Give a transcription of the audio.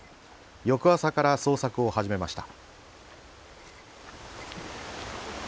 翌朝から捜索を始めました。